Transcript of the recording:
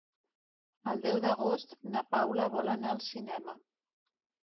El deu d'agost na Paula vol anar al cinema.